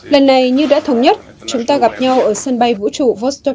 lần này như đã thống nhất chúng ta gặp nhau ở sân bay vũ trụ vostok